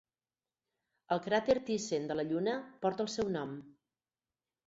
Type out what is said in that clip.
El cràter Thiessen de la Lluna porta el seu nom.